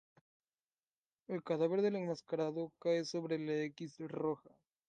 El cadáver del enmascarado cae sobre la X roja.